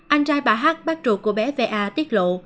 anh trai bà hát bác ruột của bé va tiết lộ